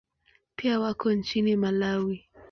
Pia wako nchini Malawi.